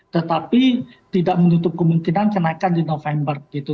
tetapi tidak menutup kemungkinan kenaikan di november gitu